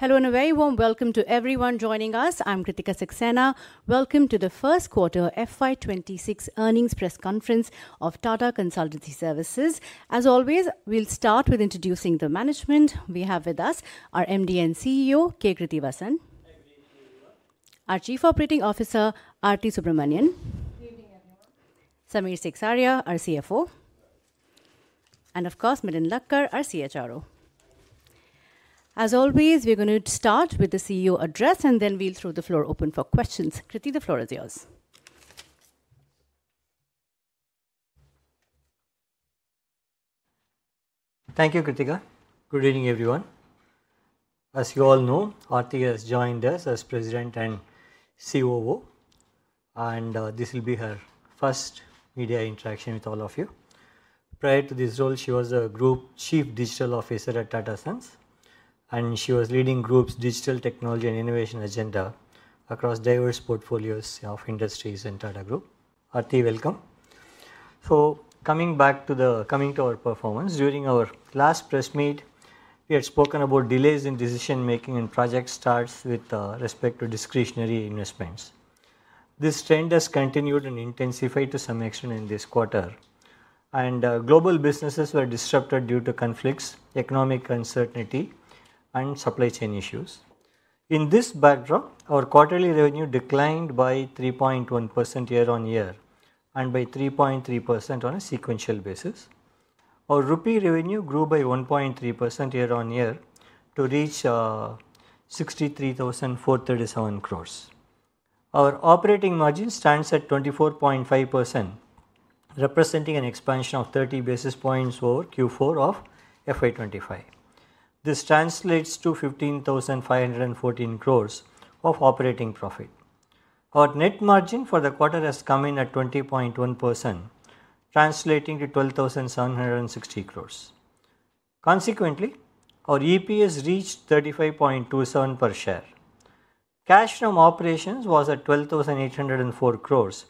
Hello and a very warm welcome to everyone joining us. I'm Kritika Saxena. Welcome to the first quarter FY2026 Earnings Press Conference of Tata Consultancy Services. As always, we'll start with introducing the management. We have with us our MD and CEO, K. Krithivasan. Hi, greetings to everyone. Our Chief Operating Officer, Aarthi Subramanian. Good evening, everyone. Samir Seksaria, our CFO. Hello. Of course, Milind Lakkad, our CHRO. As always, we're going to start with the CEO address, and then we'll throw the floor open for questions. Kritika, the floor is yours. Thank you, Kritika. Good evening, everyone. As you all know, Aarthi has joined us as President and COO. And this will be her first media interaction with all of you. Prior to this role, she was a Group Chief Digital Officer at Tata Sons, and she was leading Group's digital technology and innovation agenda across diverse portfolios of industries in Tata Group. Aarthi, welcome. Coming back to our performance, during our last press meet, we had spoken about delays in decision-making and project starts with respect to discretionary investments. This trend has continued and intensified to some extent in this quarter, and global businesses were disrupted due to conflicts, economic uncertainty, and supply chain issues. In this backdrop, our quarterly revenue declined by 3.1% year-on-year and by 3.3% on a sequential basis. Our INR revenue grew by 1.3% year-on-year to reach 63,437 crore. Our operating margin stands at 24.5%. Representing an expansion of 30 basis points over Q4 of FY2025. This translates to 15,514 crores of operating profit. Our net margin for the quarter has come in at 20.1%, translating to 12,760 crores. Consequently, our EPS reached 35.27 per share. Cash from operations was at 12,804 crores,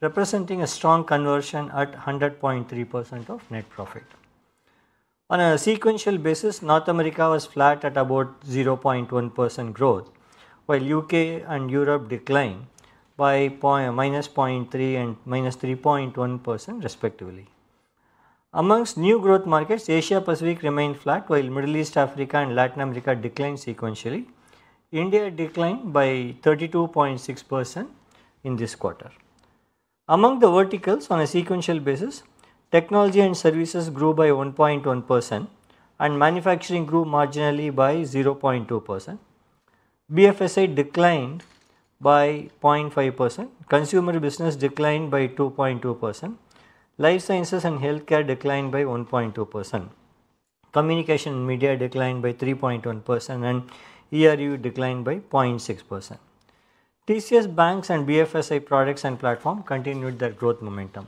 representing a strong conversion at 100.3% of net profit. On a sequential basis, North America was flat at about 0.1% growth, while U.K. and Europe declined by -0.3% and -3.1%, respectively. Amongst new growth markets, Asia Pacific remained flat, while Middle East, Africa, and Latin America declined sequentially. India declined by 32.6% in this quarter. Among the verticals, on a sequential basis, technology and services grew by 1.1%, and manufacturing grew marginally by 0.2%. BFSI declined by 0.5%, consumer business declined by 2.2%, life sciences and healthcare declined by 1.2%. Communication and media declined by 3.1%, and ERU declined by 0.6%. TCS banks and BFSI products and platform continued their growth momentum.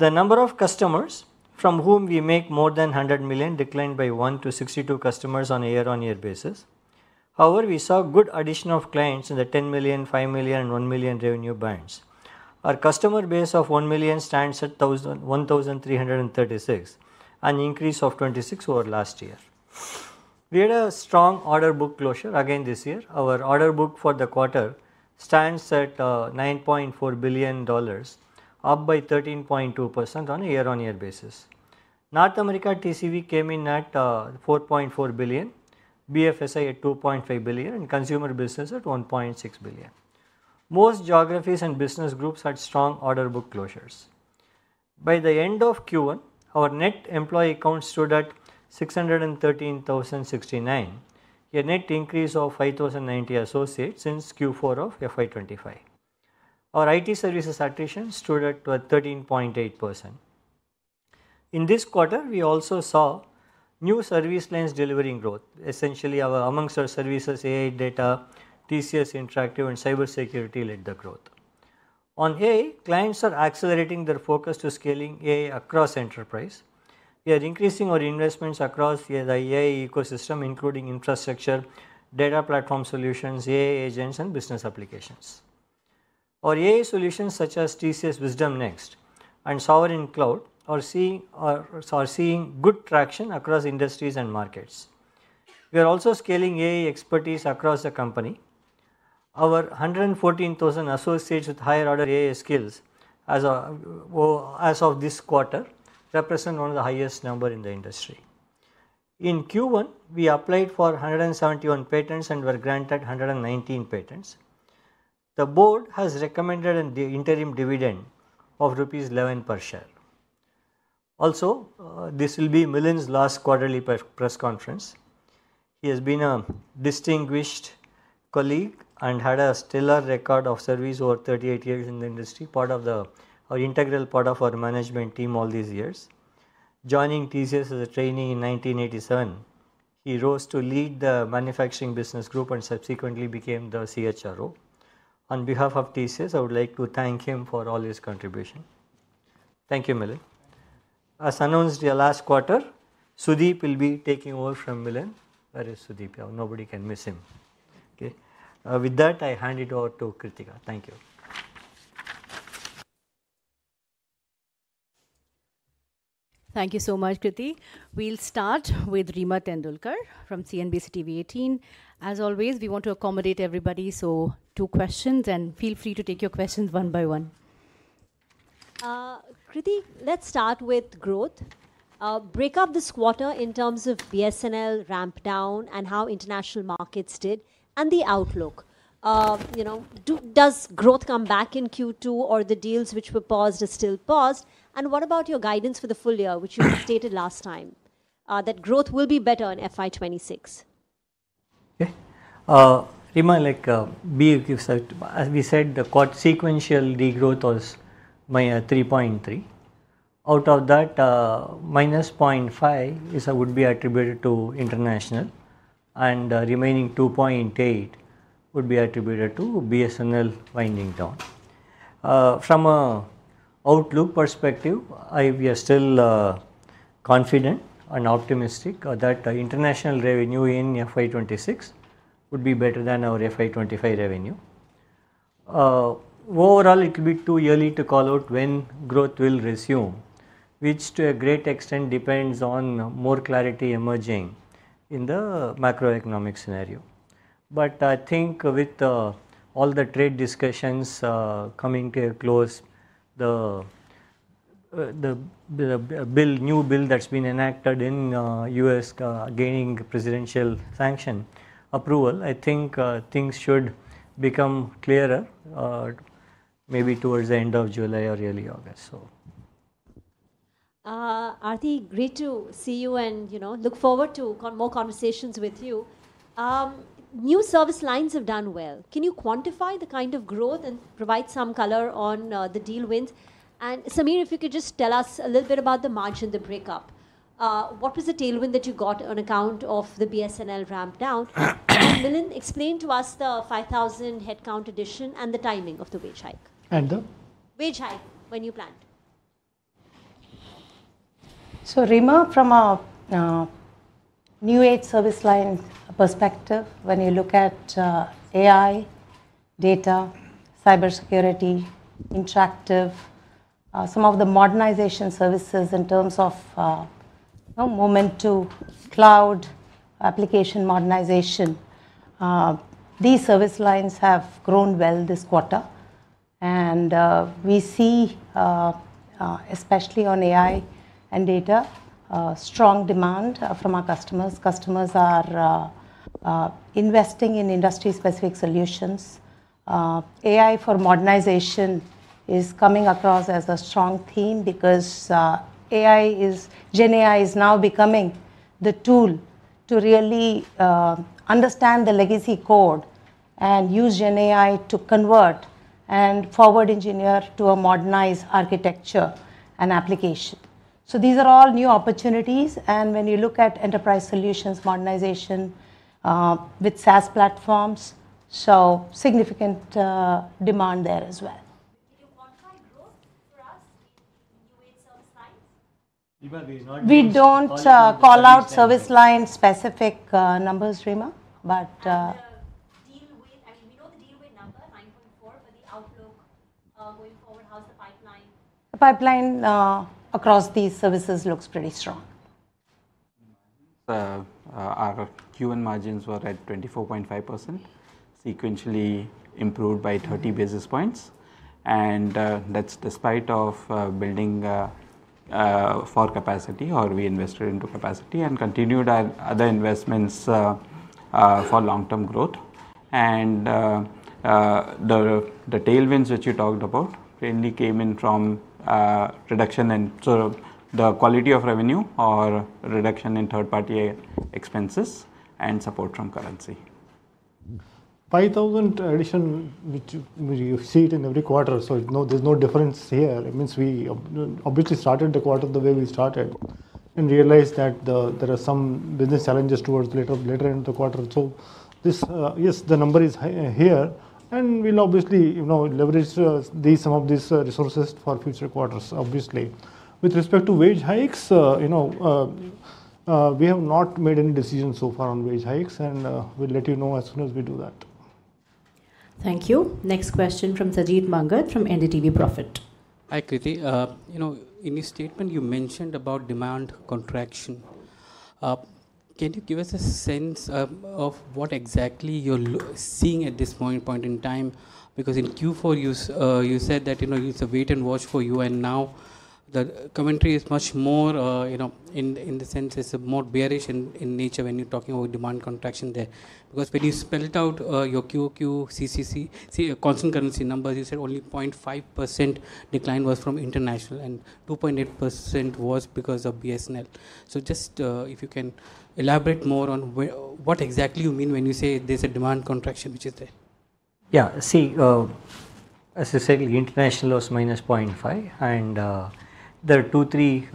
The number of customers from whom we make more than $100 million declined by one to 62 customers on a year-on-year basis. However, we saw good addition of clients in the $10 million, $5 million, and $1 million revenue bands. Our customer base of $1 million stands at 1,336, an increase of 26 over last year. We had a strong order book closure again this year. Our order book for the quarter stands at $9.4 billion, up by 13.2% on a year-on-year basis. North America TCV came in at $4.4 billion, BFSI at $2.5 billion, and consumer business at $1.6 billion. Most geographies and business groups had strong order book closures. By the end of Q1, our net employee count stood at 613,069, a net increase of 5,090 associates since Q4 of FY2025. Our IT services attrition stood at 13.8%. In this quarter, we also saw new service lines delivering growth. Essentially, amongst our services, AI, data, TCS Interactive, and cybersecurity led the growth. On AI, clients are accelerating their focus to scaling AI across enterprise. We are increasing our investments across the AI ecosystem, including infrastructure, data platform solutions, AI agents, and business applications. Our AI solutions, such as TCS was done next and Sovereign Cloud, are seeing good traction across industries and markets. We are also scaling AI expertise across the company. Our 114,000 associates with higher order AI skills as of this quarter represent one of the highest numbers in the industry. In Q1, we applied for 171 patents and were granted 119 patents. The board has recommended an interim dividend of rupees 11 crores per share. Also, this will be Milind's last quarterly press conference. He has been a distinguished. Colleague and had a stellar record of service over 38 years in the industry, part of the integral part of our management team all these years. Joining TCS as a trainee in 1987, he rose to lead the manufacturing business group and subsequently became the CHRO. On behalf of TCS, I would like to thank him for all his contributions. Thank you, Milind. As announced last quarter, Sudeep will be taking over from Milind. Where is Sudeep? Nobody can miss him. With that, I hand it over to Kritika. Thank you. Thank you so much, Kritika. We'll start with Reema Tendulkar from CNBC TV 18. As always, we want to accommodate everybody, so two questions, and feel free to take your questions one by one. Kritika, let's start with growth. Break up this quarter in terms of BSNL ramp down and how international markets did, and the outlook. Does growth come back in Q2, or the deals which were paused are still paused? What about your guidance for the full year, which you stated last time, that growth will be better in FY 2026? Okay. Reema, like Birk gives out, as we said, the sequential growth was 3.3. Out of that, -0.5 would be attributed to international, and remaining 2.8 would be attributed to BSNL winding down. From an outlook perspective, we are still confident and optimistic that international revenue in FY2026 would be better than our FY2025 revenue. Overall, it will be too early to call out when growth will resume, which to a great extent depends on more clarity emerging in the macroeconomic scenario. I think with all the trade discussions coming to a close, the new bill that's been enacted in the U.S. gaining presidential sanction approval, I think things should become clearer, maybe towards the end of July or early August. Aarthi, great to see you and look forward to more conversations with you. New service lines have done well. Can you quantify the kind of growth and provide some color on the deal wins? Samir, if you could just tell us a little bit about the margin, the breakup. What was the tailwind that you got on account of the BSNL ramp down? Milind, explain to us the 5,000 headcount addition and the timing of the wage hike. And the? Wage hike when you planned. Reema, from a new age service line perspective, when you look at AI, data, cybersecurity, interactive, some of the modernization services in terms of momentum, cloud application modernization, these service lines have grown well this quarter. We see, especially on AI and data, strong demand from our customers. Customers are investing in industry-specific solutions. AI for modernization is coming across as a strong theme because Gen AI is now becoming the tool to really understand the legacy code and use Gen AI to convert and forward engineer to a modernized architecture and application. These are all new opportunities. When you look at enterprise solutions modernization with SaaS platforms, there is significant demand there as well. Can you quantify growth for us in new age service lines? We don't call out service line specific numbers, Rima, but. The deal width, I mean, we know the deal width number, $9.4 billion, but the outlook going forward, how's the pipeline? The pipeline across these services looks pretty strong. Our Q1 margins were at 24.5%, sequentially improved by 30 basis points. That's despite building for capacity, or we invested into capacity and continued our other investments for long-term growth. The tailwinds which you talked about mainly came in from reduction in the quality of revenue or reduction in third-party expenses and support from currency. 5,000 addition, which you see it in every quarter. There is no difference here. It means we obviously started the quarter the way we started and realized that there are some business challenges towards later in the quarter. Yes, the number is here. We will obviously leverage some of these resources for future quarters, obviously. With respect to wage hikes, we have not made any decision so far on wage hikes, and we will let you know as soon as we do that. Thank you. Next question from Sajith Mangar from NDTV Profit. Hi, Kriti. In your statement, you mentioned about demand contraction. Can you give us a sense of what exactly you're seeing at this point in time? Because in Q4, you said that it's a wait and watch for you. Now the commentary is much more. In the sense, it's more bearish in nature when you're talking about demand contraction there. Because when you spelled out your Q.Q.C.C.C., see constant currency numbers, you said only 0.5% decline was from international and 2.8% was because of BSNL. Just if you can elaborate more on what exactly you mean when you say there's a demand contraction, which is there. Yeah, see. As I said, international was -0.5. There are two, three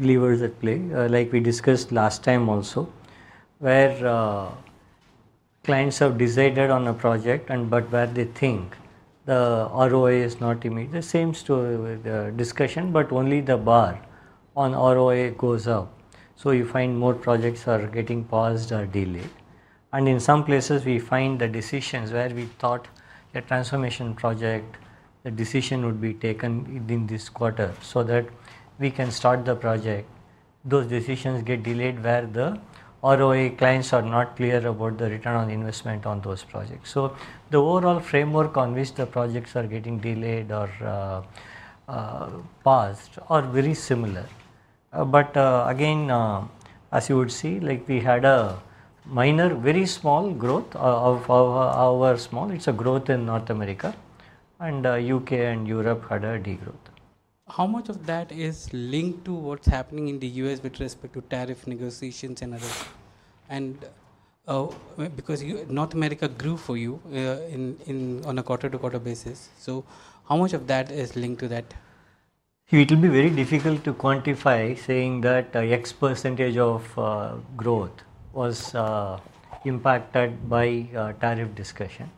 levers at play, like we discussed last time also, where clients have decided on a project, but where they think the ROI is not immediate. There seems to be a discussion, but only the bar on ROI goes up. You find more projects are getting paused or delayed. In some places, we find the decisions where we thought a transformation project, the decision would be taken in this quarter so that we can start the project. Those decisions get delayed where the ROI clients are not clear about the return on investment on those projects. The overall framework on which the projects are getting delayed or paused are very similar. Again, as you would see, we had a minor, very small growth of our small. It's a growth in North America. U.K. and Europe had a degrowth. How much of that is linked to what's happening in the U.S. with respect to tariff negotiations and other? Because North America grew for you on a quarter-to-quarter basis. How much of that is linked to that? It will be very difficult to quantify saying that X% of growth was impacted by tariff discussion.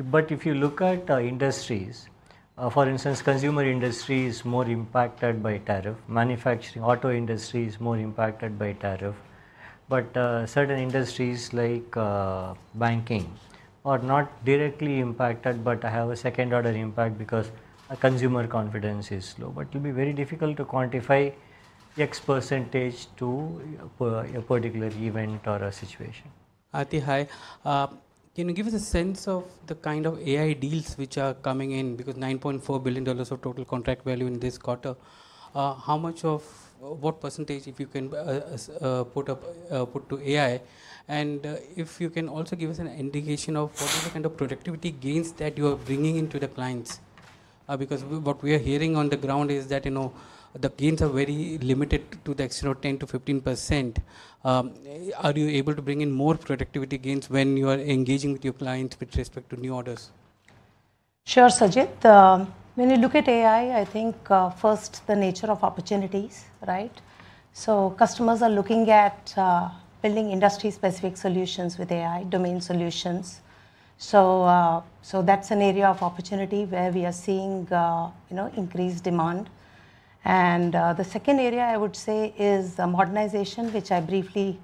If you look at industries, for instance, consumer industry is more impacted by tariff. Manufacturing, auto industry is more impacted by tariff. Certain industries like banking are not directly impacted, but have a second-order impact because consumer confidence is low. It will be very difficult to quantify X% to a particular event or a situation. Aarthi, hi, can you give us a sense of the kind of AI deals which are coming in? Because $9.4 billion of total contract value in this quarter, how much of what percentage, if you can, put to AI? If you can also give us an indication of what is the kind of productivity gains that you are bringing into the clients? Because what we are hearing on the ground is that the gains are very limited to the extent of 10%-15%. Are you able to bring in more productivity gains when you are engaging with your clients with respect to new orders? Sure, Sajith. When you look at AI, I think first the nature of opportunities, right? Customers are looking at building industry-specific solutions with AI, domain solutions. That is an area of opportunity where we are seeing increased demand. The second area, I would say, is modernization, which I briefly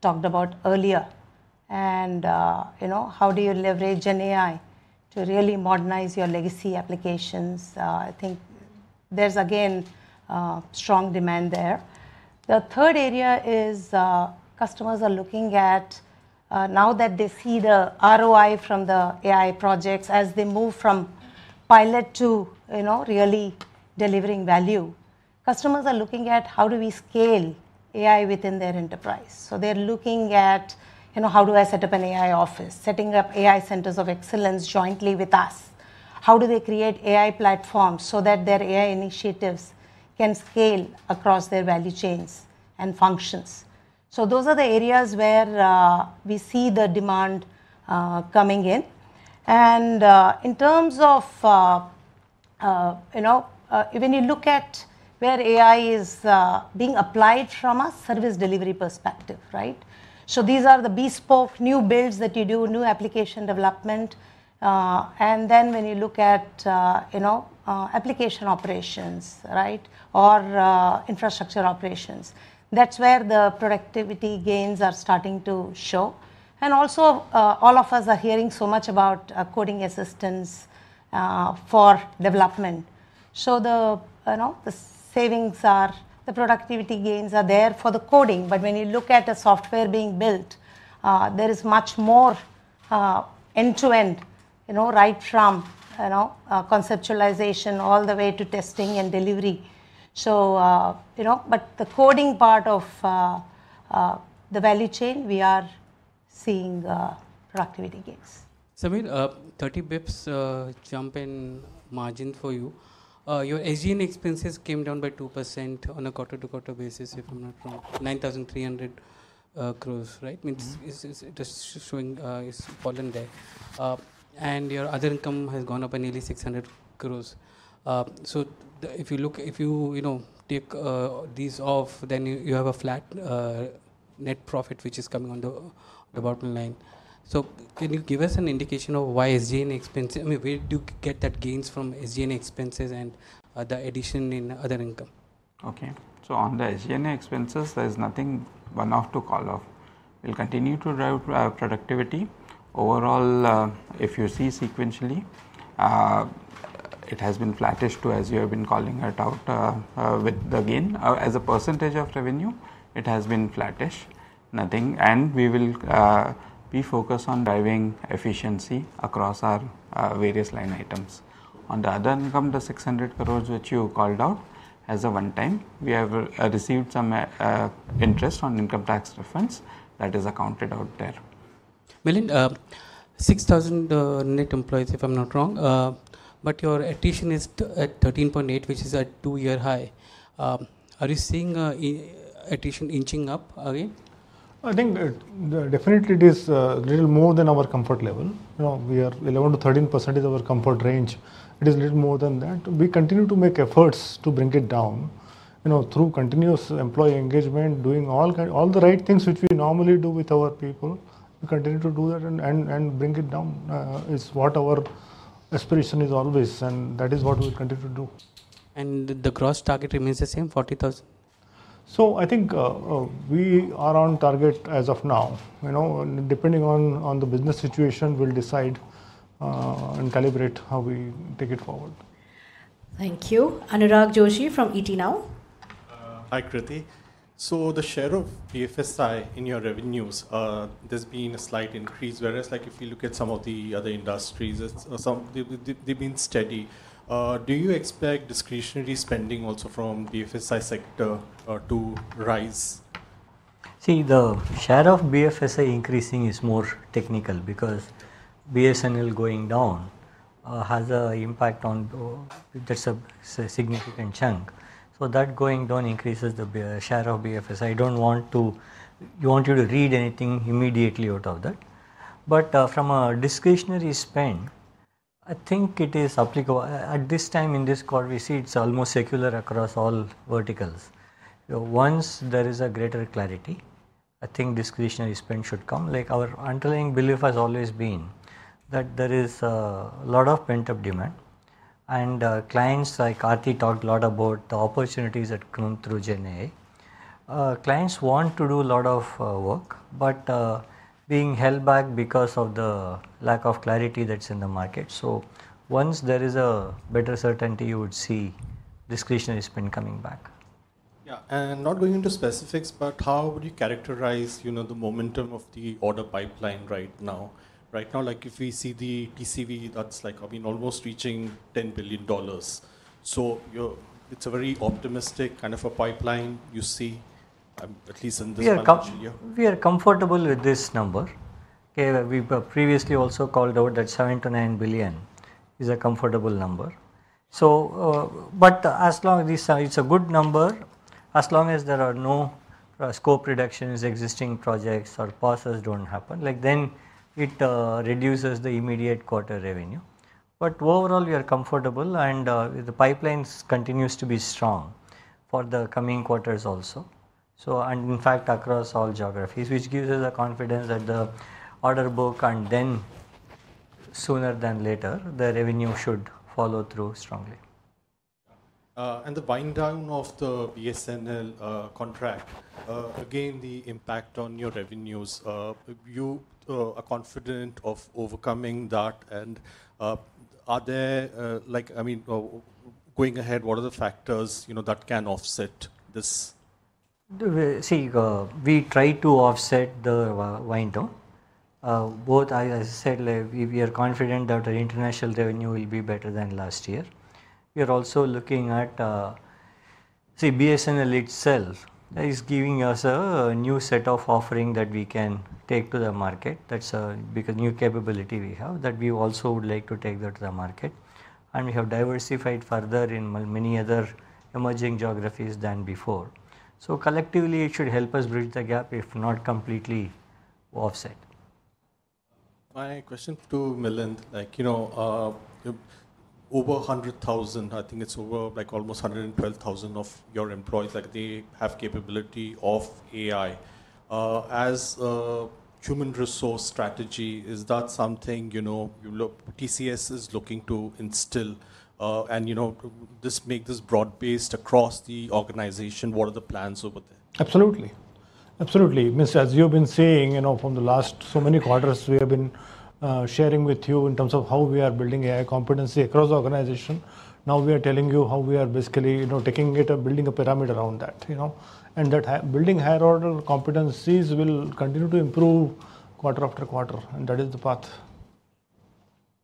talked about earlier. How do you leverage Gen AI to really modernize your legacy applications? I think there is again strong demand there. The third area is customers are looking at, now that they see the ROI from the AI projects as they move from pilot to really delivering value, customers are looking at how do we scale AI within their enterprise. They are looking at how do I set up an AI office, setting up AI centers of excellence jointly with us? How do they create AI platforms so that their AI initiatives can scale across their value chains and functions? Those are the areas where we see the demand coming in. In terms of when you look at where AI is being applied from a service delivery perspective, right? These are the bespoke new builds that you do, new application development. When you look at application operations or infrastructure operations, that is where the productivity gains are starting to show. Also, all of us are hearing so much about coding assistance for development. The productivity gains are there for the coding. When you look at the software being built, there is much more end-to-end, right from conceptualization all the way to testing and delivery. The coding part of the value chain, we are seeing productivity gains. Samir, 30 basis points jump in margin for you. Your SGN expenses came down by 2% on a quarter-to-quarter basis, if I'm not wrong, 9,300 crore, right? It's fallen there. And your other income has gone up by nearly 600 crore. If you take these off, then you have a flat net profit, which is coming on the bottom line. Can you give us an indication of why SGN expenses, I mean, where do you get that gains from SGN expenses and the addition in other income? Okay. On the SGN expenses, there is nothing one off to call off. We'll continue to drive productivity. Overall, if you see sequentially, it has been flattish, as you have been calling out. Again, as a percentage of revenue, it has been flattish. We will be focused on driving efficiency across our various line items. On the other income, the 600 crore which you called out as a one-time, we have received some interest on income tax reference that is accounted out there. Milind, 6,000 net employees, if I'm not wrong. Your attrition is at 13.8%, which is a two-year high. Are you seeing attrition inching up again? I think definitely it is a little more than our comfort level. 11%-13% is our comfort range. It is a little more than that. We continue to make efforts to bring it down. Through continuous employee engagement, doing all the right things which we normally do with our people, we continue to do that and bring it down. It is what our aspiration is always. That is what we continue to do. The gross target remains the same, 40,000? I think we are on target as of now. Depending on the business situation, we'll decide and calibrate how we take it forward. Thank you. Anurag Joshi from ET Now. Hi, Krithi. So the share of BFSI in your revenues, there's been a slight increase. Whereas if you look at some of the other industries, they've been steady. Do you expect discretionary spending also from BFSI sector to rise? See, the share of BFSI increasing is more technical because BSNL going down has an impact on. That is a significant chunk. That going down increases the share of BFSI. I do not want you to read anything immediately out of that. From a discretionary spend, I think it is applicable. At this time, in this quarter, we see it is almost circular across all verticals. Once there is greater clarity, I think discretionary spend should come. Our underlying belief has always been that there is a lot of pent-up demand. Clients, like Aarthi talked a lot about the opportunities that come through Gen AI. Clients want to do a lot of work, but being held back because of the lack of clarity that is in the market. Once there is better certainty, you would see discretionary spend coming back. Yeah. Not going into specifics, but how would you characterize the momentum of the order pipeline right now? Right now, if we see the TCV, that's almost reaching $10 billion. It is a very optimistic kind of a pipeline you see, at least in this market. We are comfortable with this number. We previously also called out that $7 billion-$9 billion is a comfortable number. As long as it is a good number, as long as there are no scope reductions, existing projects or processes do not happen, then it reduces the immediate quarter revenue. Overall, we are comfortable. The pipeline continues to be strong for the coming quarters also. In fact, across all geographies, which gives us confidence that the order book and then, sooner than later, the revenue should follow through strongly. The wind down of the BSNL contract, again, the impact on your revenues. Are you confident of overcoming that? Are there, I mean, going ahead, what are the factors that can offset this? See, we try to offset the wind down. Both, as I said, we are confident that our international revenue will be better than last year. We are also looking at. See, BSNL itself is giving us a new set of offerings that we can take to the market. That is a new capability we have that we also would like to take to the market. We have diversified further in many other emerging geographies than before. Collectively, it should help us bridge the gap, if not completely offset. My question to Milind. Over 100,000, I think it is over almost 112,000 of your employees, they have capability of AI. As a human resource strategy, is that something TCS is looking to instill? Make this broad-based across the organization? What are the plans over there? Absolutely. Absolutely. As you've been seeing from the last so many quarters, we have been sharing with you in terms of how we are building AI competency across the organization. Now we are telling you how we are basically taking it and building a pyramid around that. Building higher-order competencies will continue to improve quarter after quarter. That is the path.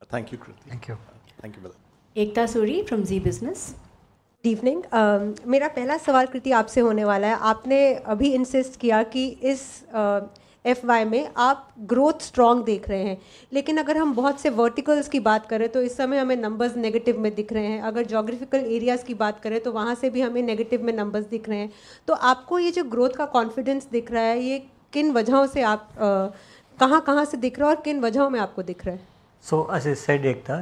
Thank you, Kritika. Thank you. Thank you, Milind. Ekta Suri from ZBusiness. Good evening. मेरा पहला सवाल, Krithi, आपसे होने वाला है। आपने अभी insist किया कि इस FY में आप growth strong देख रहे हैं। लेकिन अगर हम बहुत से verticals की बात करें, तो इस समय हमें numbers negative में दिख रहे हैं। अगर geographical areas की बात करें, तो वहां से भी हमें negative में numbers दिख रहे हैं। तो आपको यह जो growth का confidence दिख रहा है, यह किन वजहों से आप. कहां-कहां से दिख रहा है और किन वजहों में आपको दिख रहा है? As I said, Ekta,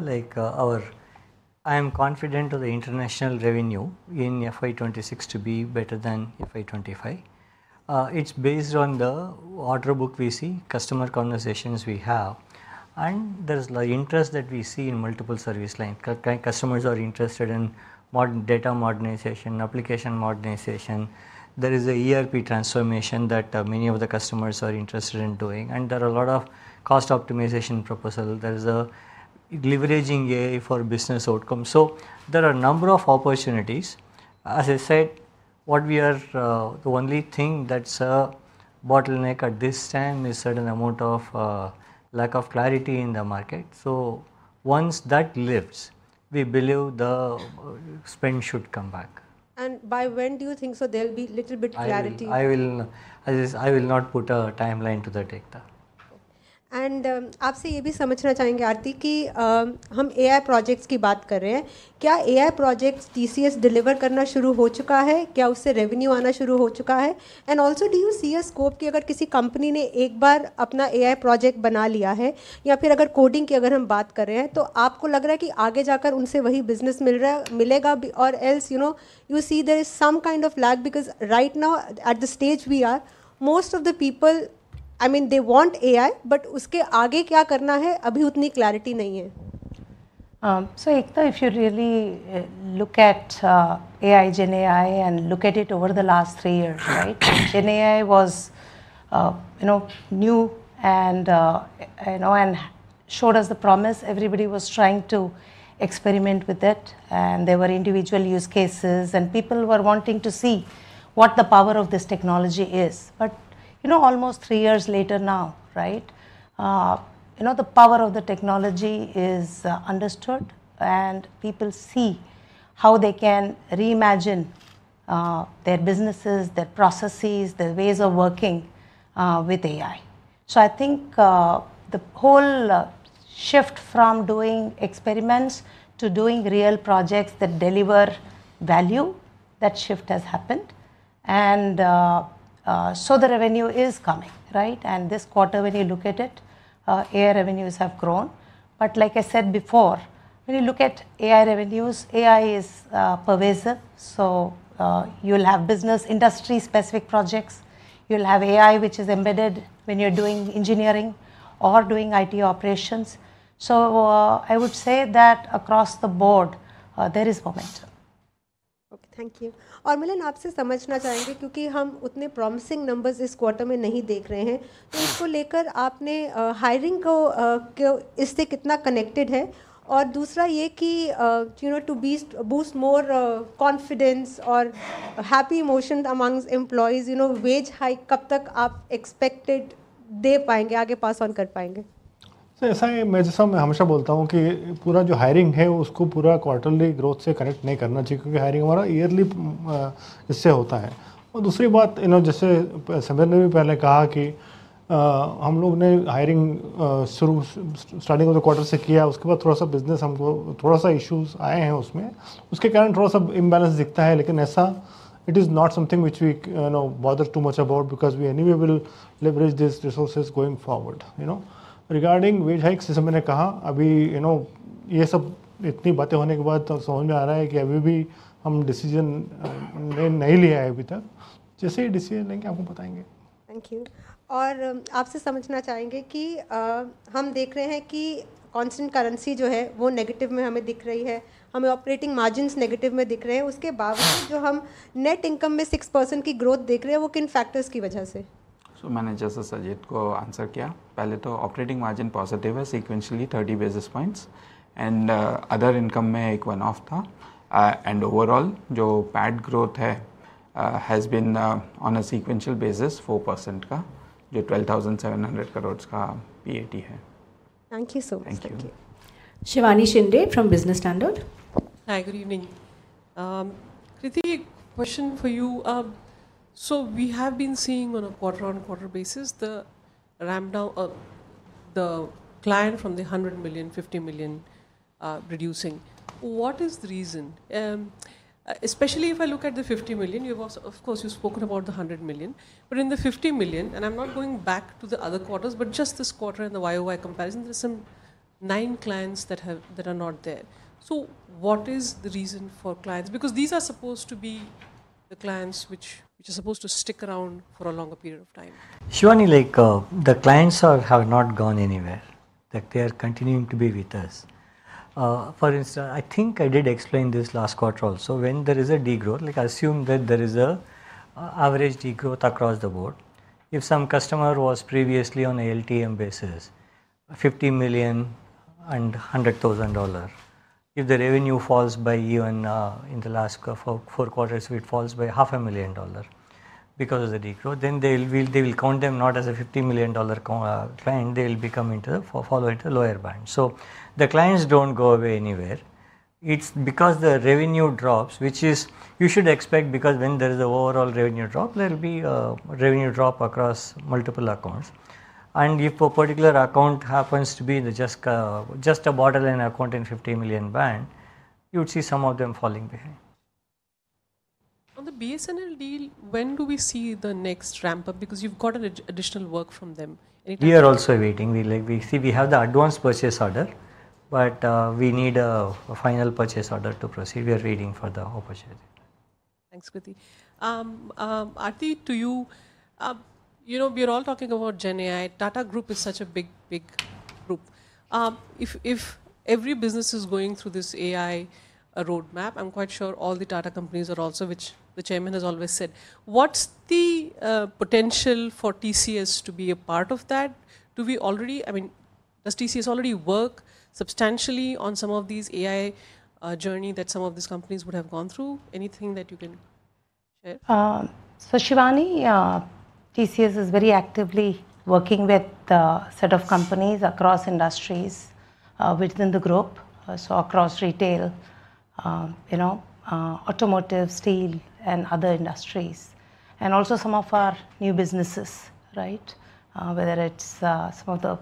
I am confident of the international revenue in FY2026 to be better than FY2025. It's based on the order book we see, customer conversations we have, and there is interest that we see in multiple service lines. Customers are interested in data modernization, application modernization. There is an ERP transformation that many of the customers are interested in doing. There are a lot of cost optimization proposals. There is a leveraging AI for business outcomes. There are a number of opportunities. As I said, the only thing that's a bottleneck at this time is a certain amount of lack of clarity in the market. Once that lifts, we believe the spend should come back. By when do you think there'll be a little bit clarity? I will not put a timeline to that, Ekta. आपसे यह भी समझना चाहेंगे, Aarthi कि हम AI projects की बात कर रहे हैं। क्या AI projects TCS deliver करना शुरू हो चुका है? क्या उससे revenue आना शुरू हो चुका है? Also, do you see a scope कि अगर किसी company ने एक बार अपना AI project बना लिया है या फिर अगर coding की अगर हम बात कर रहे हैं, तो आपको लग रहा है कि आगे जाकर उनसे वही business मिलेगा? You see there is some kind of lag because right now, at the stage we are, most of the people, I mean, they want AI, but उसके आगे क्या करना है, अभी उतनी clarity नहीं है। Ekta, if you really look at AI, Gen AI, and look at it over the last three years, right? Gen AI was new and showed us the promise. Everybody was trying to experiment with it, and there were individual use cases. People were wanting to see what the power of this technology is. Almost three years later now, the power of the technology is understood, and people see how they can reimagine their businesses, their processes, their ways of working with AI. I think the whole shift from doing experiments to doing real projects that deliver value, that shift has happened. The revenue is coming, right? This quarter, when you look at it, AI revenues have grown. Like I said before, when you look at AI revenues, AI is pervasive, so you'll have business industry-specific projects. You'll have AI, which is embedded when you're doing engineering or doing IT operations. I would say that across the board, there is momentum. Okay, thank you. और Milind, आपसे समझना चाहेंगे, क्योंकि हम उतने promising numbers इस quarter में नहीं देख रहे हैं। तो इसको लेकर आपने hiring को इससे कितना connected है? और दूसरा यह कि to boost more confidence or happy emotion amongst employees, wage hike कब तक आप expected दे पाएंगे, आगे pass on कर पाएंगे? ऐसा है, मैं जैसा हमेशा बोलता हूं कि पूरा जो hiring है, उसको पूरा quarterly growth से connect नहीं करना चाहिए। क्योंकि hiring हमारा yearly इससे होता है। और दूसरी बात, जैसे Samir ने भी पहले कहा कि हम लोगों ने hiring starting of the quarter से किया, उसके बाद थोड़ा सा business, हमको थोड़ा सा issues आए हैं उसमें। उसके कारण थोड़ा सा imbalance दिखता है। लेकिन ऐसा, it is not something which we bother too much about, because we anyway will leverage these resources going forward. Regarding wage hikes, जैसे मैंने कहा, अभी यह सब इतनी बातें होने के बाद समझ में आ रहा है कि अभी भी हम decision नहीं लिया है अभी तक। जैसे ही decision लेंगे, आपको बताएंगे। Thank you. और आपसे समझना चाहेंगे कि हम देख रहे हैं कि constant currency जो है, वह negative में हमें दिख रही है। हमें operating margins negative में दिख रहे हैं। उसके बावजूद जो हम net income में 6% की growth देख रहे हैं, वह किन factors की वजह से? I answered Sajith earlier, first, the operating margin is positive, sequentially 30 basis points. In other income, there was a one-off. Overall, the PAT growth has been, on a sequential basis, 4%, which is 12,700 crores PAT. Thank you so much. Thank you. Shivani Shinde from Business Standard. Hi, good evening. Krithi, a question for you. We have been seeing on a quarter-on-quarter basis the client from the $100 million, $50 million, reducing. What is the reason? Especially if I look at the $50 million, of course, you've spoken about the $100 million. In the $50 million, and I'm not going back to the other quarters, just this quarter and the year-over-year comparison, there are some nine clients that are not there. What is the reason for clients? Because these are supposed to be the clients which are supposed to stick around for a longer period of time. Shivani, the clients have not gone anywhere. They are continuing to be with us. For instance, I think I did explain this last quarter also. When there is a degrowth, I assume that there is an average degrowth across the board. If some customer was previously on an LTM basis, $50 million, and $100,000, if the revenue falls by even in the last four quarters, if it falls by $500,000 because of the degrowth, then they will count them not as a $50 million client, they will become into the lower band. So the clients do not go away anywhere. It is because the revenue drops, which you should expect, because when there is an overall revenue drop, there will be a revenue drop across multiple accounts. If a particular account happens to be just a borderline account in the $50 million band, you would see some of them falling behind. On the BSNL deal, when do we see the next ramp up? Because you've got additional work from them. We are also waiting. We have the advance purchase order, but we need a final purchase order to proceed. We are waiting for the opportunity. Thanks, Krithi. Aarthi, to you. We are all talking about Gen AI. Tata Group is such a big, big group. If every business is going through this AI roadmap, I'm quite sure all the Tata companies are also, which the chairman has always said, what's the potential for TCS to be a part of that? Do we already, I mean, does TCS already work substantially on some of these AI journeys that some of these companies would have gone through? Anything that you can share? TCS is very actively working with a set of companies across industries within the group. Across retail, automotive, steel, and other industries. Also some of our new businesses, right? Whether it's some of the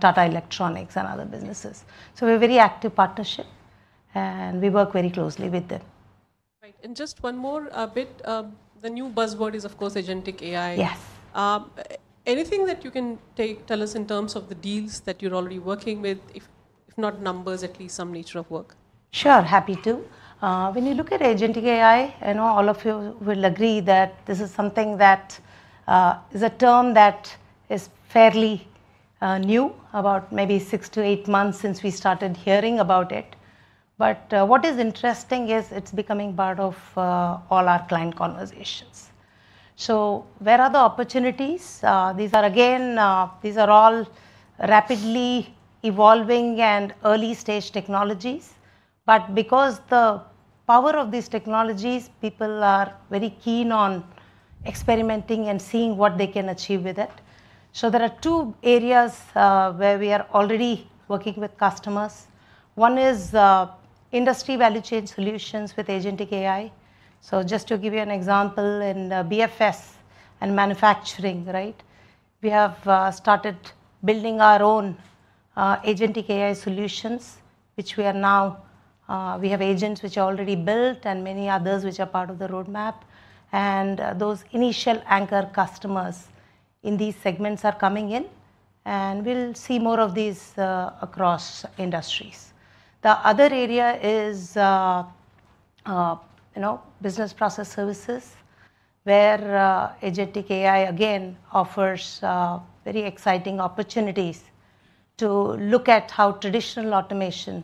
Tata Electronics and other businesses. We have a very active partnership. We work very closely with them. Right. And just one more bit. The new buzzword is, of course, agentic AI. Yes. Anything that you can tell us in terms of the deals that you're already working with, if not numbers, at least some nature of work? Sure, happy to. When you look at agentic AI, all of you will agree that this is something that is a term that is fairly new, about maybe six to eight months since we started hearing about it. What is interesting is it is becoming part of all our client conversations. Where are the opportunities? These are all rapidly evolving and early-stage technologies. Because of the power of these technologies, people are very keen on experimenting and seeing what they can achieve with it. There are two areas where we are already working with customers. One is industry value chain solutions with agentic AI. Just to give you an example, in BFS and manufacturing, right? We have started building our own agentic AI solutions, which we are now, we have agents which are already built and many others which are part of the roadmap. Those initial anchor customers in these segments are coming in. We'll see more of these across industries. The other area is business process services, where agentic AI, again, offers very exciting opportunities to look at how traditional automation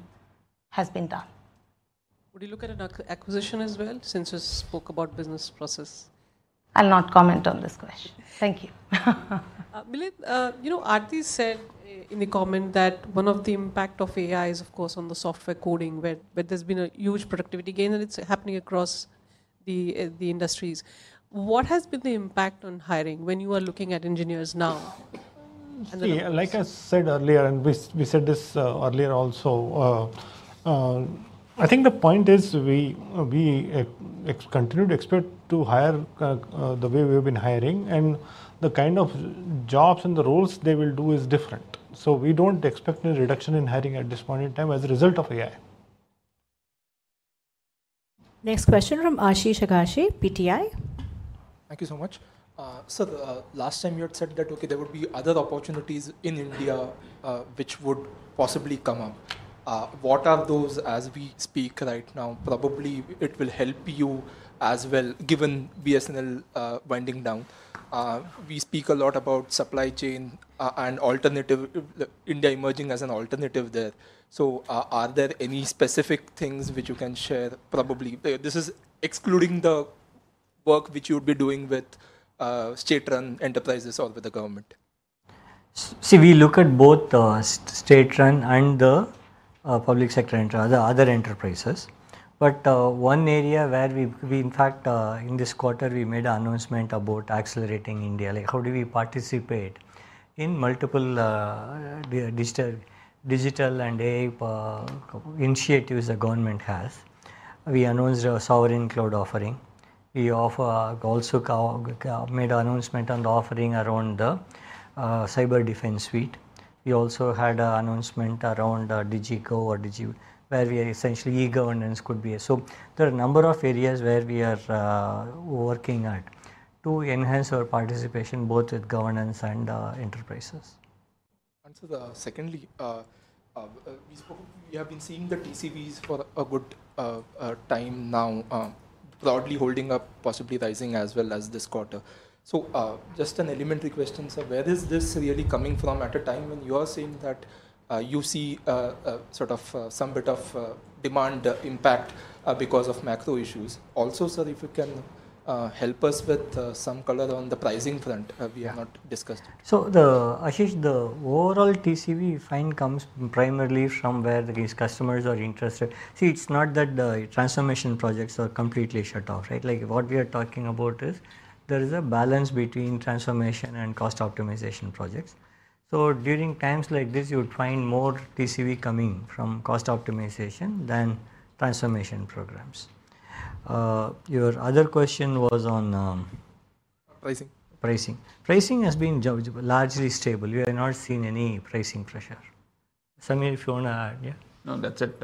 has been done. Would you look at an acquisition as well, since you spoke about business process? I'll not comment on this question. Thank you. Milind, Aarthi said in the comment that one of the impacts of AI is, of course, on the software coding, where there has been a huge productivity gain, and it is happening across the industries. What has been the impact on hiring when you are looking at engineers now? Like I said earlier, and we said this earlier also. I think the point is we continue to expect to hire the way we've been hiring. And the kind of jobs and the roles they will do is different. We do not expect a reduction in hiring at this point in time as a result of AI. Next question from Aarshih Agashe, PTI. Thank you so much. Sir, last time you had said that, okay, there would be other opportunities in India which would possibly come up. What are those as we speak right now? Probably it will help you as well, given BSNL winding down. We speak a lot about supply chain and India emerging as an alternative there. Are there any specific things which you can share? Probably this is excluding the work which you would be doing with state-run enterprises or with the government. See, we look at both the state-run and the public sector and other enterprises. One area where we, in fact, in this quarter, we made an announcement about accelerating India, like how do we participate in multiple digital and AI initiatives the government has. We announced a Sovereign Cloud offering. We also made an announcement on the offering around the Cyber Defense Suite. We also had an announcement around Digi, where we essentially e-governance could be a. So there are a number of areas where we are working at to enhance our participation both with governance and enterprises. Sir, secondly, we have been seeing the TCVs for a good time now, broadly holding up, possibly rising as well as this quarter. Just an elementary question, sir, where is this really coming from at a time when you are saying that you see sort of some bit of demand impact because of macro issues? Also, sir, if you can help us with some color on the pricing front, we have not discussed it. So Ashish, the overall TCV fine comes primarily from where these customers are interested. See, it's not that the transformation projects are completely shut off, right? Like what we are talking about is there is a balance between transformation and cost optimization projects. During times like this, you would find more TCV coming from cost optimization than transformation programs. Your other question was on. Pricing. Pricing. Pricing has been largely stable. We have not seen any pricing pressure. Samir, if you want to add, yeah? No, that's it.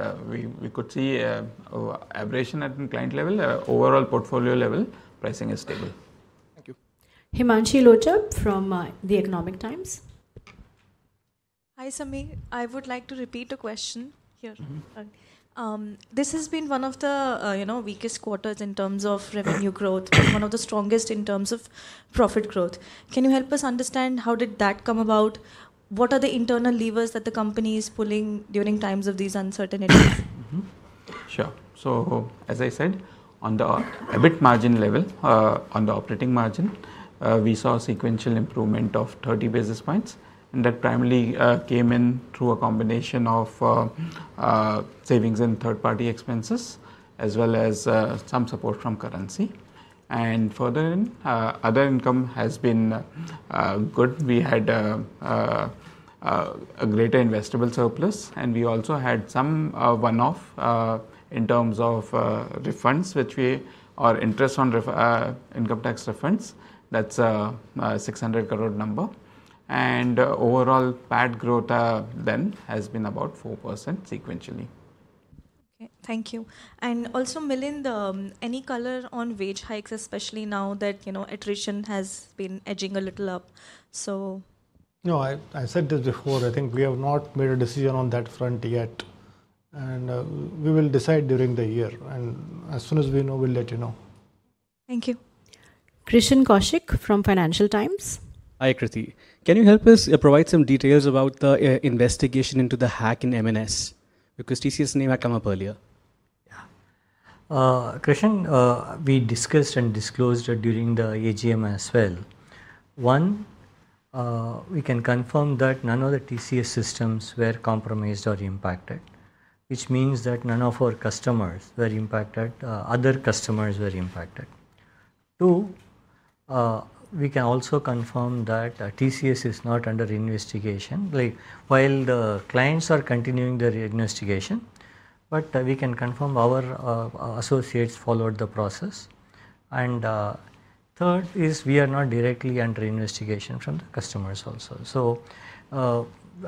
We could see aberration at client level, overall portfolio level. Pricing is stable. Thank you. Himanshi Lohchab from The Economic Times. Hi, Samir. I would like to repeat a question here. This has been one of the weakest quarters in terms of revenue growth, one of the strongest in terms of profit growth. Can you help us understand how did that come about? What are the internal levers that the company is pulling during times of these uncertainties? Sure. As I said, on the EBIT margin level, on the operating margin, we saw a sequential improvement of 30 basis points. That primarily came in through a combination of savings in third-party expenses, as well as some support from currency. Further in, other income has been good. We had a greater investable surplus, and we also had some one-off in terms of refunds, which are interest in income tax refunds. That is an 600 crore number. Overall, PAT growth then has been about 4% sequentially. Okay, thank you. Also, Milind, any color on wage hikes, especially now that attrition has been edging a little up? No, I said this before. I think we have not made a decision on that front yet. We will decide during the year. As soon as we know, we'll let you know. Thank you. Krishn Kaushik from Financial Times. Hi, Krithi. Can you help us provide some details about the investigation into the hack in M&S? Because TCS name had come up earlier. Krishn, we discussed and disclosed during the AGM as well. One, we can confirm that none of the TCS systems were compromised or impacted, which means that none of our customers were impacted, other customers were impacted. Two, we can also confirm that TCS is not under investigation, while the clients are continuing their investigation, but we can confirm our associates followed the process. Third is we are not directly under investigation from the customers also.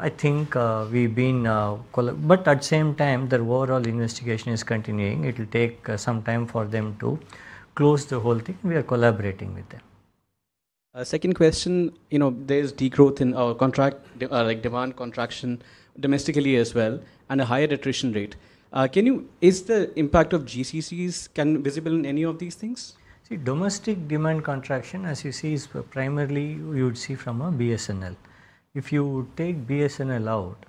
I think we have been. At the same time, their overall investigation is continuing. It will take some time for them to close the whole thing. We are collaborating with them. Second question, there is degrowth in our contract, like demand contraction domestically as well, and a higher attrition rate. Is the impact of GCCs visible in any of these things? See, domestic demand contraction, as you see, is primarily you would see from BSNL. If you take BSNL out,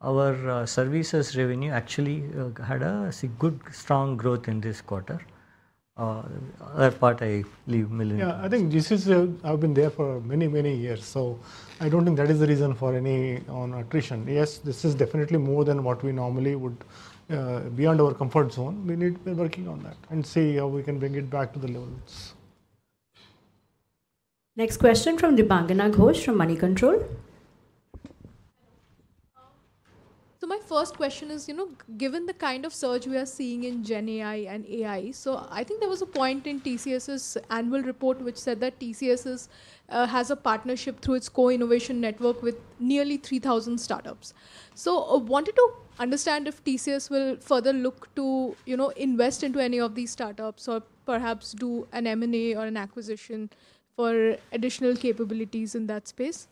our services revenue actually had a good strong growth in this quarter. Other part, I leave Milind. Yeah, I think this is, I've been there for many, many years. I don't think that is the reason for any attrition. Yes, this is definitely more than what we normally would. Beyond our comfort zone, we need to be working on that and see how we can bring it back to the levels. Next question from Debangana Ghosh from Moneycontrol. My first question is, given the kind of surge we are seeing in Gen AI and AI, I think there was a point in TCS's annual report which said that TCS has a partnership through its co-innovation network with nearly 3,000 startups. I wanted to understand if TCS will further look to invest into any of these startups or perhaps do an M&A or an acquisition for additional capabilities in that space.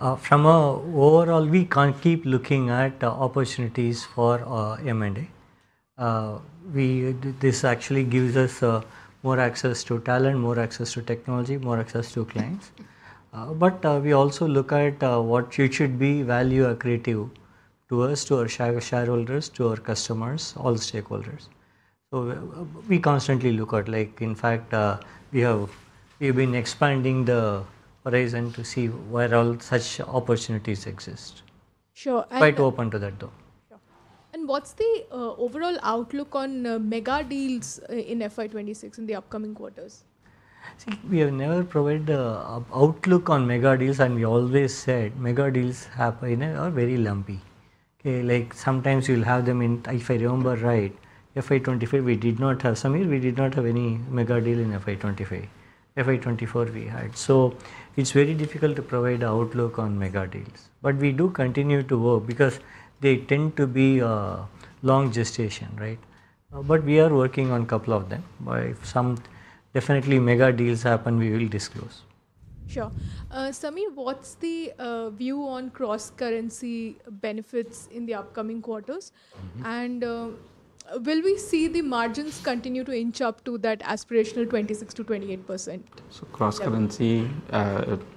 Overall, we can't keep looking at opportunities for M&A. This actually gives us more access to talent, more access to technology, more access to clients. We also look at what should be value-accretive to us, to our shareholders, to our customers, all stakeholders. We constantly look at, like in fact, we have been expanding the horizon to see where all such opportunities exist. Sure. Quite open to that, though. What's the overall outlook on mega deals in FI26 in the upcoming quarters? See, we have never provided the outlook on mega deals, and we always said mega deals are very lumpy. Like sometimes you'll have them in, if I remember right, FY 2025, we did not have, Samir, we did not have any mega deal in FY 2025. FY 2024 we had. It is very difficult to provide an outlook on mega deals. We do continue to work because they tend to be a long gestation, right? We are working on a couple of them. Definitely, if mega deals happen, we will disclose. Sure. Samir, what's the view on cross-currency benefits in the upcoming quarters? Will we see the margins continue to inch up to that aspirational 26%-28%? Cross-currency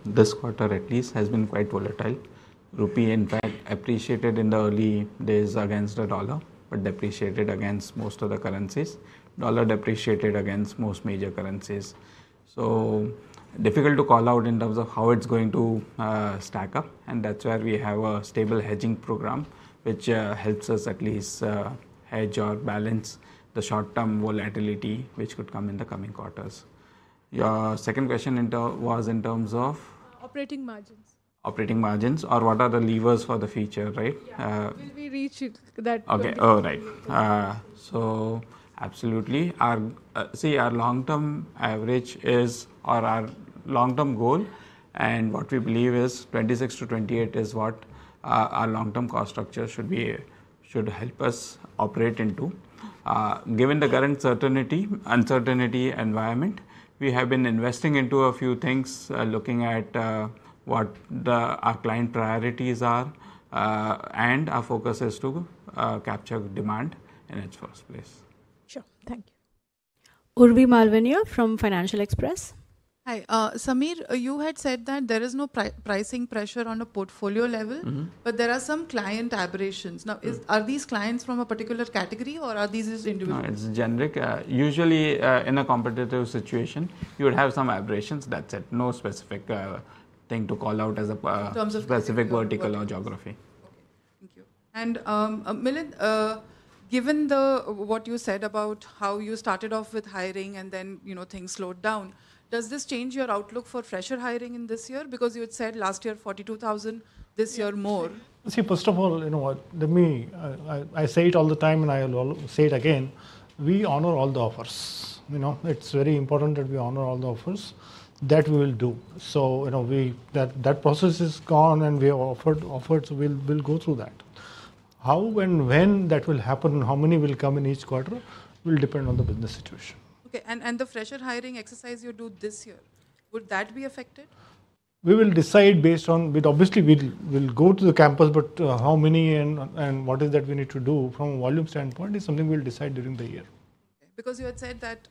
this quarter at least has been quite volatile. Rupee, in fact, appreciated in the early days against the dollar, but depreciated against most of the currencies. Dollar depreciated against most major currencies. Difficult to call out in terms of how it's going to stack up. That's where we have a stable hedging program, which helps us at least hedge or balance the short-term volatility which could come in the coming quarters. Your second question was in terms of. Operating margins. Operating margins or what are the levers for the future, right? Will we reach that? Okay, all right. Absolutely. See, our long-term average is, or our long-term goal, and what we believe is 26%-28% is what our long-term cost structure should help us operate into. Given the current uncertainty environment, we have been investing into a few things, looking at what our client priorities are. Our focus is to capture demand in its first place. Sure, thank you. Urvi Malvania from Financial Express. Hi, Samir, you had said that there is no pricing pressure on a portfolio level, but there are some client aberrations. Now, are these clients from a particular category or are these individuals? No, it's generic. Usually, in a competitive situation, you would have some aberrations. That's it. No specific thing to call out as a specific vertical or geography. Thank you. Milind, given what you said about how you started off with hiring and then things slowed down, does this change your outlook for fresher hiring in this year? Because you had said last year 42,000, this year more. See, first of all, let me, I say it all the time and I will say it again, we honor all the offers. It's very important that we honor all the offers that we will do. That process is gone and we have offered, we'll go through that. How and when that will happen and how many will come in each quarter will depend on the business situation. Okay, and the fresher hiring exercise you do this year, would that be affected? We will decide based on, obviously, we'll go to the campus, but how many and what is that we need to do from a volume standpoint is something we'll decide during the year. Because you had said that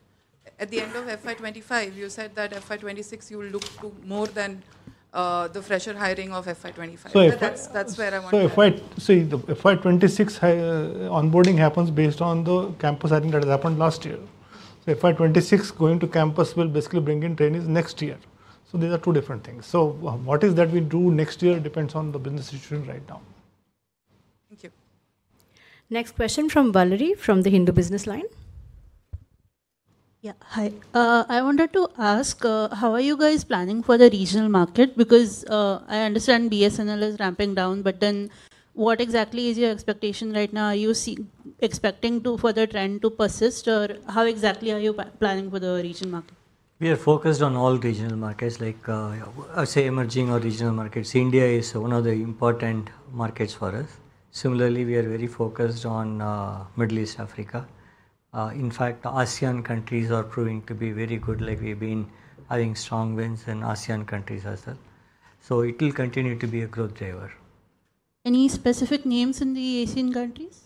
at the end of FY25, you said that FY26 you will look to more than the fresher hiring of FY25. That's where I want to. FY26 onboarding happens based on the campus hiring that has happened last year. FY26 going to campus will basically bring in trainees next year. These are two different things. What we do next year depends on the business situation right now. Thank you. Next question from Vallari from The Hindu Business Line. Yeah, hi. I wanted to ask, how are you guys planning for the regional market? Because I understand BSNL is ramping down, but then what exactly is your expectation right now? Are you expecting for the trend to persist or how exactly are you planning for the regional market? We are focused on all regional markets, like I say emerging or regional markets. India is one of the important markets for us. Similarly, we are very focused on Middle East, Africa. In fact, ASEAN countries are proving to be very good, like we've been having strong wins in ASEAN countries as well. It will continue to be a growth driver. Any specific names in the ASEAN countries?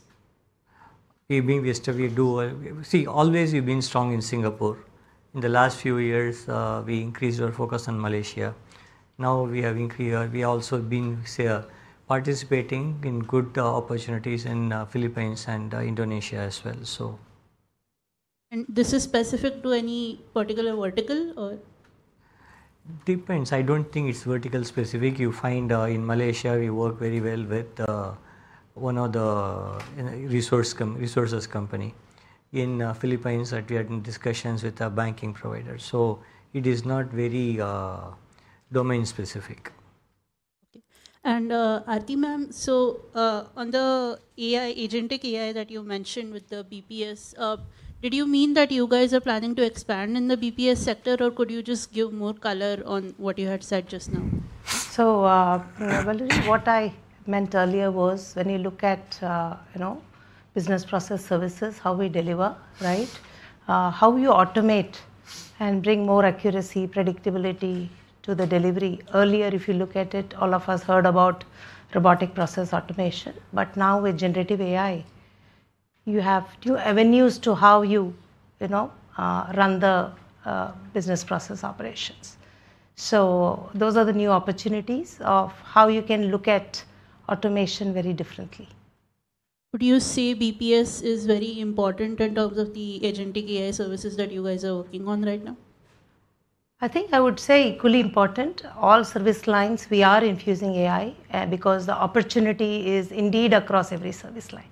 See, always we have been strong in Singapore. In the last few years, we increased our focus on Malaysia. Now we have been here also participating in good opportunities in the Philippines and Indonesia as well. Is this specific to any particular vertical or? Depends. I don't think it's vertical specific. You find in Malaysia, we work very well with one of the resources company. In the Philippines, we had discussions with a banking provider. It is not very domain specific. Okay. Aarthi ma'am, on the agentic AI that you mentioned with the BPS, did you mean that you guys are planning to expand in the BPS sector or could you just give more color on what you had said just now? Valeri, what I meant earlier was when you look at business process services, how we deliver, right? How you automate and bring more accuracy, predictability to the delivery. Earlier, if you look at it, all of us heard about robotic process automation. Now with generative AI, you have new avenues to how you run the business process operations. Those are the new opportunities of how you can look at automation very differently. Would you say BPS is very important in terms of the agentic AI services that you guys are working on right now? I think I would say equally important. All service lines, we are infusing AI because the opportunity is indeed across every service line.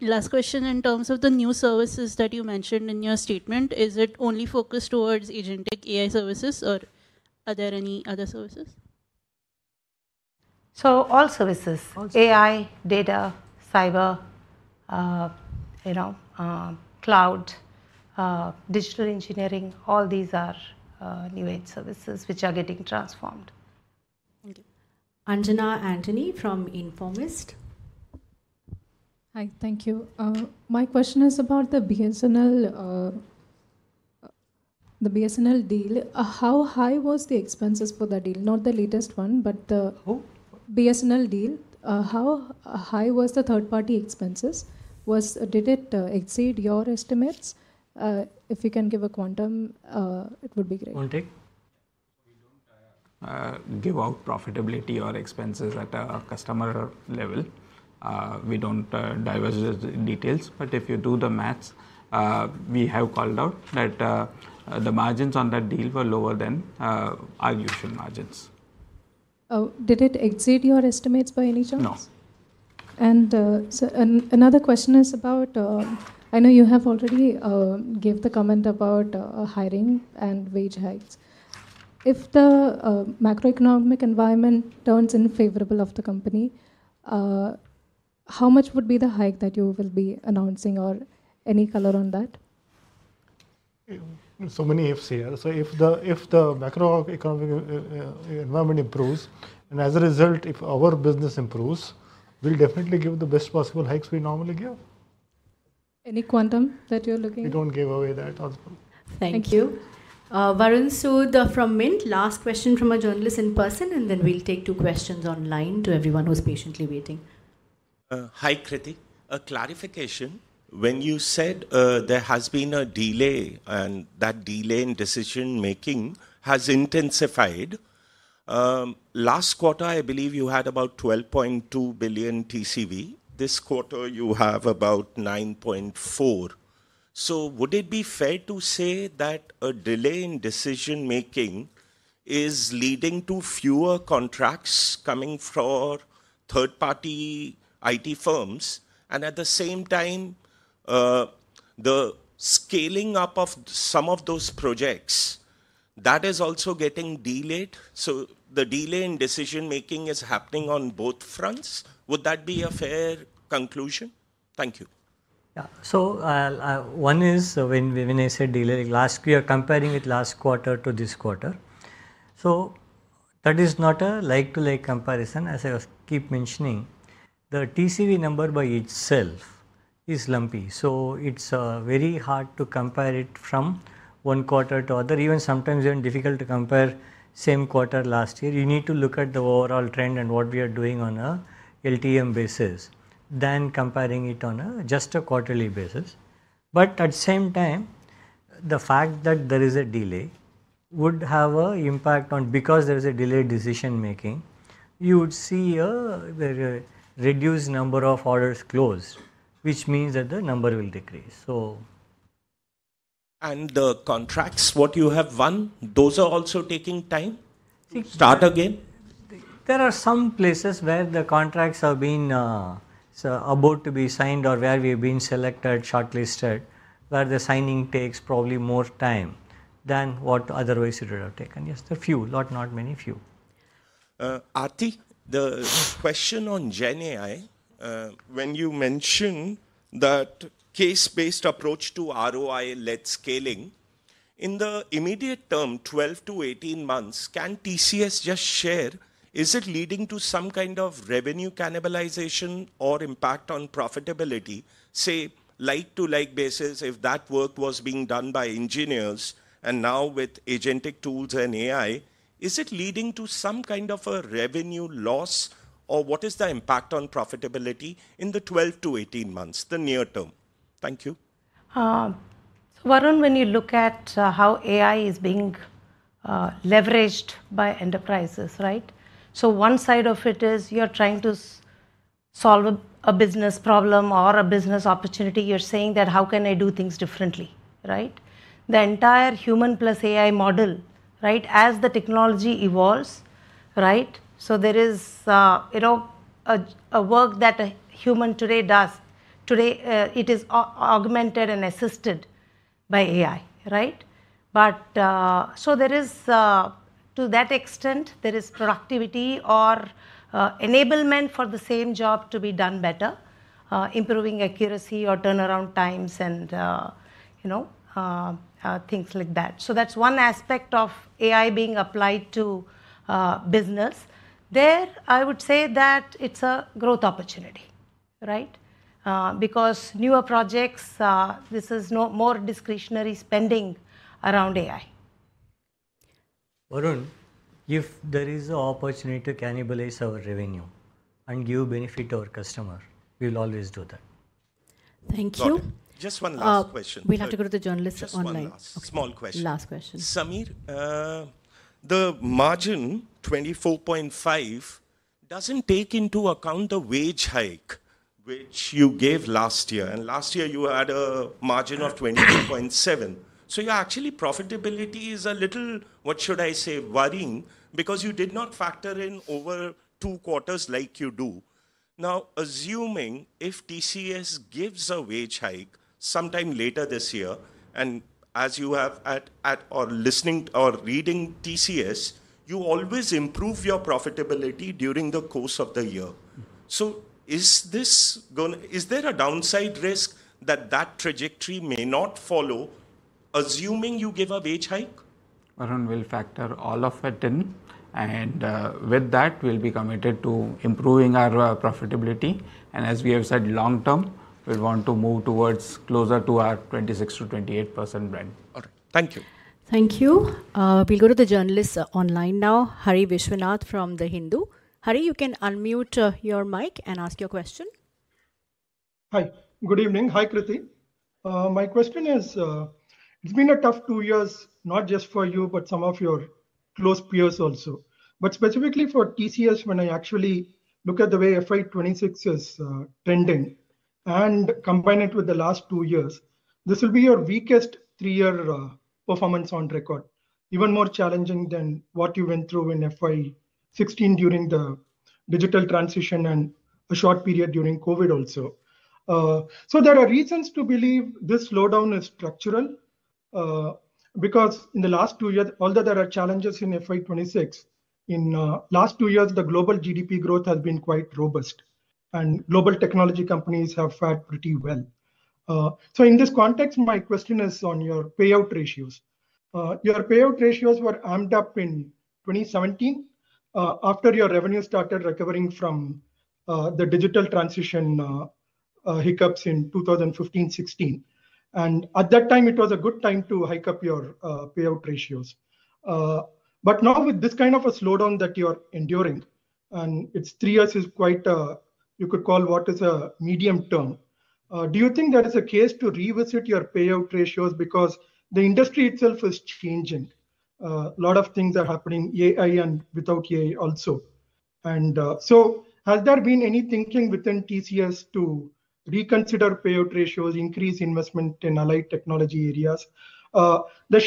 Last question in terms of the new services that you mentioned in your statement, is it only focused towards agentic AI services or are there any other services? All services, AI, data, cyber, cloud, digital engineering, all these are new-age services which are getting transformed. Thank you. Anjana Anthony from Informist. Hi, thank you. My question is about the BSNL deal. How high was the expenses for that deal? Not the latest one, but the BSNL deal, how high was the third-party expenses? Did it exceed your estimates? If you can give a quantum, it would be great. Give out profitability or expenses at a customer level. We do not divulge the details, but if you do the maths, we have called out that the margins on that deal were lower than our usual margins. Did it exceed your estimates by any chance? No. Another question is about, I know you have already given the comment about hiring and wage hikes. If the macroeconomic environment turns in favor of the company, how much would be the hike that you will be announcing or any color on that? So many ifs here. If the macroeconomic environment improves, and as a result, if our business improves, we'll definitely give the best possible hikes we normally give. Any quantum that you're looking at? We don't give away that also. Thank you. Varun Sood from Mint, last question from a journalist in person, and then we'll take two questions online to everyone who's patiently waiting. Hi, Krithi. A clarification. When you said there has been a delay and that delay in decision-making has intensified. Last quarter, I believe you had about $12.2 billion TCV. This quarter, you have about $9.4 billion. Would it be fair to say that a delay in decision-making is leading to fewer contracts coming for third-party IT firms? At the same time, the scaling up of some of those projects, that is also getting delayed. The delay in decision-making is happening on both fronts. Would that be a fair conclusion? Thank you. Yeah. One is when I said delay last year, comparing it last quarter to this quarter. That is not a like-to-like comparison. As I keep mentioning, the TCV number by itself is lumpy. It is very hard to compare it from one quarter to another. Even sometimes even difficult to compare same quarter last year. You need to look at the overall trend and what we are doing on an LTM basis, then comparing it on just a quarterly basis. At the same time, the fact that there is a delay would have an impact on, because there is a delayed decision-making, you would see a reduced number of orders closed, which means that the number will decrease. The contracts, what you have won, those are also taking time? Start again. There are some places where the contracts have been about to be signed or where we have been selected, shortlisted, where the signing takes probably more time than what otherwise it would have taken. Yes, a few, not many, few. Aarthi, the question on Gen AI. When you mentioned that case-based approach to ROI led scaling, in the immediate term, 12-18 months, can TCS just share, is it leading to some kind of revenue cannibalization or impact on profitability, say, like-to-like basis, if that work was being done by engineers and now with agentic tools and AI, is it leading to some kind of a revenue loss or what is the impact on profitability in the 12-18 months, the near term? Thank you. Varun, when you look at how AI is being leveraged by enterprises, right? One side of it is you're trying to solve a business problem or a business opportunity. You're saying that how can I do things differently, right? The entire human plus AI model, right, as the technology evolves, right? There is a work that a human today does. Today, it is augmented and assisted by AI, right? To that extent, there is productivity or enablement for the same job to be done better, improving accuracy or turnaround times and things like that. That's one aspect of AI being applied to business. There, I would say that it's a growth opportunity, right? Because newer projects, this is more discretionary spending around AI. Varun, if there is an opportunity to cannibalize our revenue and give benefit to our customer, we will always do that. Thank you. Just one last question. We have to go to the journalists online. Just one last question. Last question. Samir. The margin, 24.5, does not take into account the wage hike which you gave last year. And last year, you had a margin of 22.7. So you actually, profitability is a little, what should I say, worrying because you did not factor in over two quarters like you do. Now, assuming if TCS gives a wage hike sometime later this year, and as you have at or listening or reading TCS, you always improve your profitability during the course of the year. Is this going to, is there a downside risk that that trajectory may not follow? Assuming you give a wage hike? Varun will factor all of it in. With that, we'll be committed to improving our profitability. As we have said, long term, we want to move towards closer to our 26%-28% band. All right. Thank you. Thank you. We will go to the journalists online now. Hari Vishwanath from The Hindu. Hari, you can unmute your mic and ask your question. Hi. Good evening. Hi, Krithi. My question is. It's been a tough two years, not just for you, but some of your close peers also. Specifically for TCS, when I actually look at the way FY 2026 is trending and combine it with the last two years, this will be your weakest three-year performance on record. Even more challenging than what you went through in FY 2016 during the digital transition and a short period during COVID also. There are reasons to believe this slowdown is structural. In the last two years, although there are challenges in FY 2026, in the last two years, the global GDP growth has been quite robust. Global technology companies have fared pretty well. In this context, my question is on your payout ratios. Your payout ratios were amped up in 2017 after your revenue started recovering from the digital transition. Hiccups in 2015-2016. At that time, it was a good time to hike up your payout ratios. Now with this kind of a slowdown that you are enduring, and it's three years, which is quite, you could call what is a medium term, do you think that it's a case to revisit your payout ratios? The industry itself is changing. A lot of things are happening, AI and without AI also. Has there been any thinking within TCS to reconsider payout ratios, increase investment in allied technology areas? The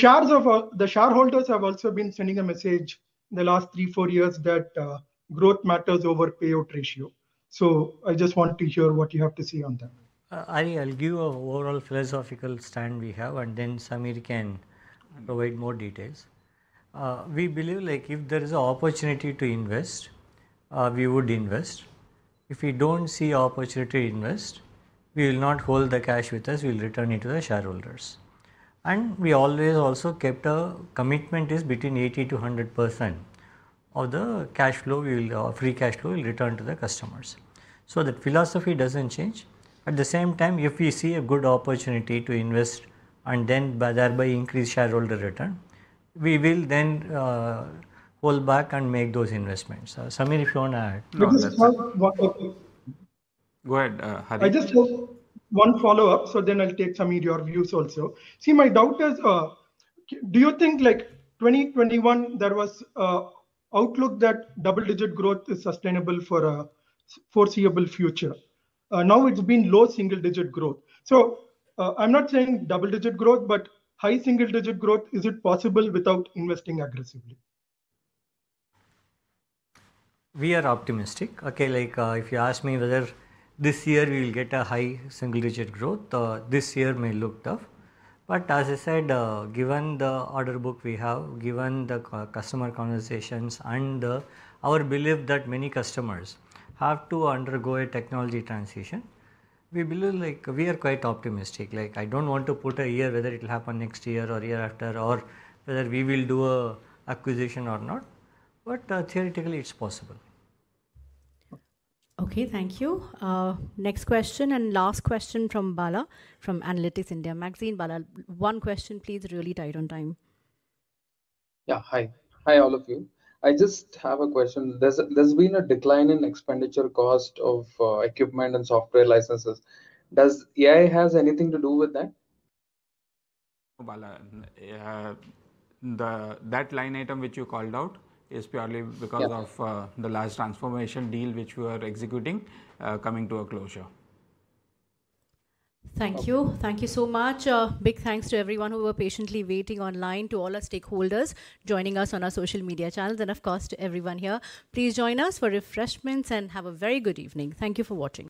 shareholders have also been sending a message in the last three or four years that growth matters over payout ratio. I just want to hear what you have to say on that. I think I'll give you an overall philosophical stand we have, and then Samir can provide more details. We believe like if there is an opportunity to invest, we would invest. If we do not see an opportunity to invest, we will not hold the cash with us. We will return it to the shareholders. We always also kept a commitment is between 80-100% of the cash flow, we will free cash flow will return to the customers. That philosophy does not change. At the same time, if we see a good opportunity to invest and then thereby increase shareholder return, we will then hold back and make those investments. Samir, if you want to add. Go ahead, Hari. I just have one follow-up, so then I'll take Samir, your views also. See, my doubt is, do you think like 2021, there was outlook that double-digit growth is sustainable for a foreseeable future? Now it's been low single-digit growth. I'm not saying double-digit growth, but high single-digit growth, is it possible without investing aggressively? We are optimistic. Okay, like if you ask me whether this year we will get a high single-digit growth, this year may look tough. As I said, given the order book we have, given the customer conversations and our belief that many customers have to undergo a technology transition, we believe like we are quite optimistic. Like I do not want to put a year whether it will happen next year or year after or whether we will do an acquisition or not. Theoretically, it is possible. Okay, thank you. Next question and last question from Bala from Analytics India Magazine. Bala, one question, please, really tight on time. Yeah, hi. Hi all of you. I just have a question. There's been a decline in expenditure cost of equipment and software licenses. Does AI have anything to do with that? That line item which you called out is purely because of the last transformation deal which we are executing coming to a closure. Thank you. Thank you so much. Big thanks to everyone who were patiently waiting online, to all our stakeholders joining us on our social media channels, and of course, to everyone here. Please join us for refreshments and have a very good evening. Thank you for watching.